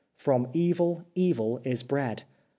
From evil, evil is bred.